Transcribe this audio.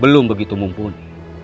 belum begitu mumpuni